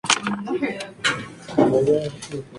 Su mejor amigo era Samuel Ramírez, mejor conocido como 'Sasa'.